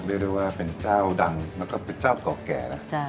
เรียกได้ว่าเป็นเจ้าดังแล้วก็เป็นเจ้าเก่าแก่นะ